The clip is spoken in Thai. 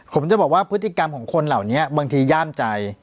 ผมจะบอกว่าพฤติกรรมของคนเหล่านี้บางทีย่ามใจ